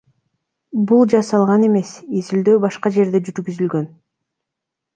Бул жасалган эмес, изилдөө башка жерде жүргүзүлгөн.